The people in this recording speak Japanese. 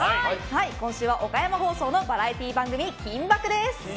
今週は岡山放送のバラエティー番組「金バク！」です。